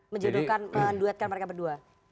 menjadikan menduetkan mereka berdua